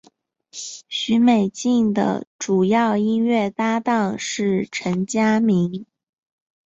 许美静的主要音乐搭档是陈佳明。